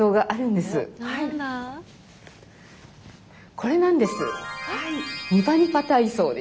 これなんです。